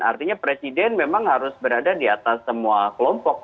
artinya presiden memang harus berada di atas semua kelompok